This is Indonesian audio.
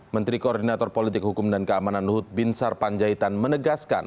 menteri koordinator politik hukum dan keamanan luhut bin sarpanjaitan menegaskan